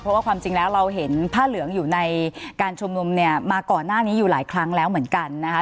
เพราะว่าความจริงแล้วเราเห็นผ้าเหลืองอยู่ในการชุมนุมเนี่ยมาก่อนหน้านี้อยู่หลายครั้งแล้วเหมือนกันนะคะ